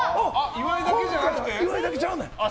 今回は岩井だけちゃうねん。